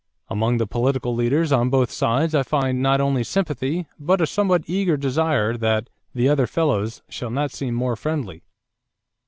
Among the political leaders on both sides I find not only sympathy but a somewhat eager desire that 'the other fellows' shall not seem more friendly."